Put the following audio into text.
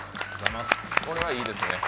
これはいいですね。